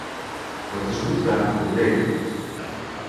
Dat is niet waar het probleem ligt.